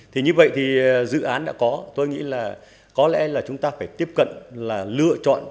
thì như vậy thì dự án đã có tôi nghĩ là có lẽ là chúng ta phải tiếp cận là lựa chọn